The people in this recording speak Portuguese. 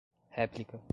réplica